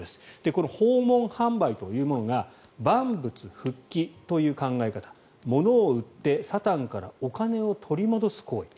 この訪問販売というものが万物復帰という考え方ものを売ってサタンからお金を取り戻す行為。